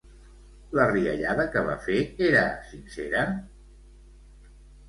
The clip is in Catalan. La riallada que va fer era sincera?